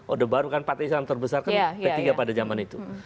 odeh baru kan partai islam terbesar kan p tiga pada zaman itu